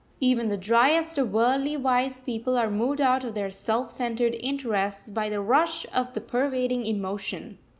Even the driest of worldly wise people are moved out of their self centred interests by the rush of the pervading emotion.